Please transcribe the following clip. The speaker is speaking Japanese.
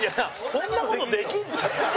そんな事できるの？